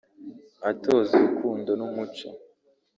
atoza urukundo n’umuco